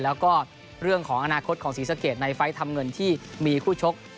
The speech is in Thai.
แล้วก็เรื่องของอนาคตของศรีสะเกดในไฟล์ทำเงินที่มีคู่ชก